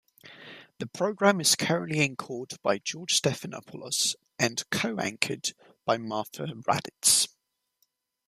The program is currently anchored by George Stephanopoulos and co-anchored by Martha Raddatz.